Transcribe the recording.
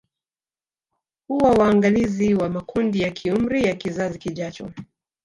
Huwa waangalizi wa makundi ya kiumri ya kizazi kijacho